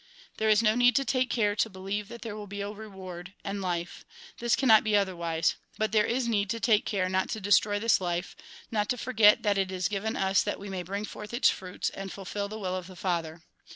" There is no need to take care to believe that there will be a reward, and life ; this cannot be otherwise ; but there is need to take care not to destroy this life, not to forget that it is given us that we may bring forth its fruits, and fulfil the will of the Father.